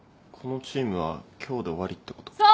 このチームは今日で終わりってこと？